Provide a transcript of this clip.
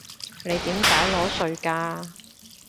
你點解裸睡㗎？